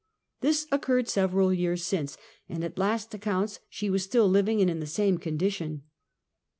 This occur red several years since, and at last accounts she w^as still living and in the same condition.